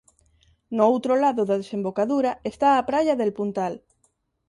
No outro lado da desembocadura está a praia de El Puntal.